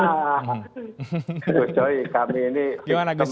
gus coy kami ini kemerus